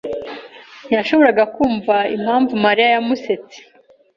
ntiyashoboraga kumva impamvu Mariya yamusetse.